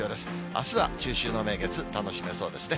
あすは中秋の名月、楽しめそうですね。